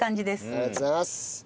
ありがとうございます。